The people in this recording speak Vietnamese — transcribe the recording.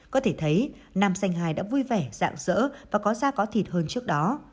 có thể thấy nam danh hài đã vui vẻ dạng dỡ và có da có thịt hơn trước đó